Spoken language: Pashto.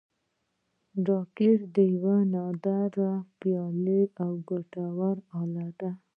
راکټ یوه نادره، پیاوړې او ګټوره اله ده